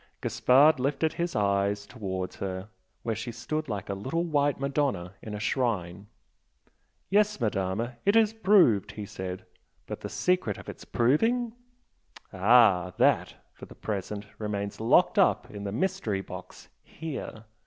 Gaspard lifted his eyes towards her where she stood like a little white Madonna in a shrine. "Yes, Madama, it is proved!" he said "But the secret of its proving? " "Ah! That, for the present, remains locked up in the mystery box here!"